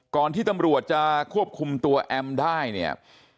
ที่ตำรวจจะควบคุมตัวแอมได้เนี่ย